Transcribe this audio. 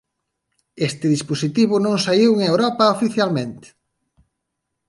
Este dispositivo non saíu en Europa oficialmente.